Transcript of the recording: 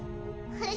はい。